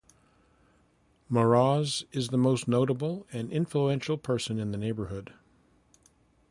Moroz is the most notable and influential person in the neighborhood.